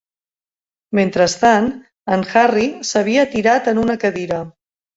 Mentrestant, en Harry s'havia tirat en una cadira.